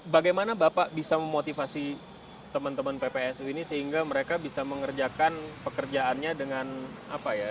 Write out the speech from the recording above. bagaimana bapak bisa memotivasi teman teman ppsu ini sehingga mereka bisa mengerjakan pekerjaannya dengan apa ya